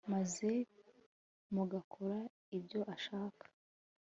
maze mugakora ibyo ashaka